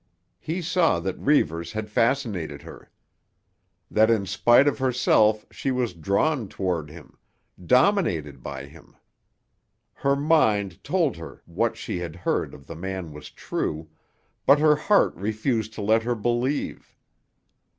He saw that Reivers had fascinated her; that in spite of herself she was drawn toward him, dominated by him. Her mind told her that what she had heard of the man was true, but her heart refused to let her believe.